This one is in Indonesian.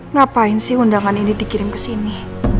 ngapain sih undangan ini dikirim kesini